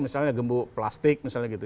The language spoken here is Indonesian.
misalnya gembok plastik